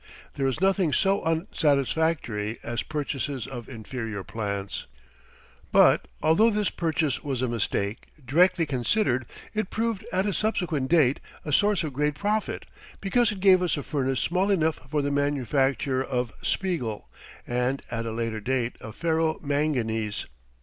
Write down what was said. There is nothing so unsatisfactory as purchases of inferior plants. But although this purchase was a mistake, directly considered, it proved, at a subsequent date, a source of great profit because it gave us a furnace small enough for the manufacture of spiegel and, at a later date, of ferro manganese.